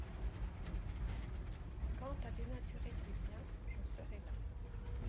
Quant à dénaturer tes biens, je serai là.